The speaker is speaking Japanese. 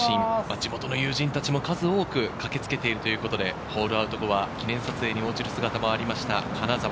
地元の友人たちも数多くかけつけているということで、ホールアウト後は記念撮影に応じる姿もありました、金澤。